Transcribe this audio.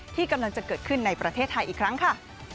ที่กำลังจะเกิดขึ้นในประเทศไทยอีกครั้งค่ะ